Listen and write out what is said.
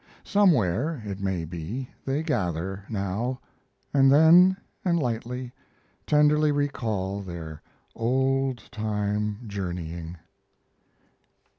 Somewhere, it may be, they gather, now; and then, and lightly, tenderly recall their old time journeying.